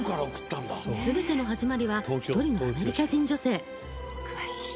すべての始まりは１人のアメリカ人女性。